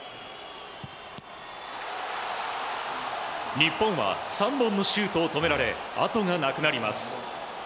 日本は３本のシュートを止められあとがなくなります。